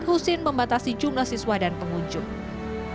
husin membatasi jumlah siswa dan pengunjung